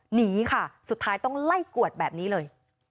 หนีค่ะสุดท้ายต้องไล่กวดแบบนี้เลย